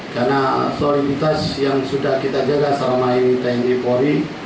karena soliditas yang sudah kita jaga selama ini tni polri